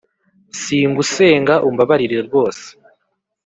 si ngusega umbabarire rwose